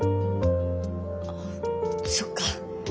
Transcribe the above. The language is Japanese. あそっか。